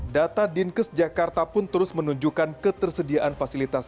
data dinkes jakarta pun terus menunjukkan ketersediaan fasilitas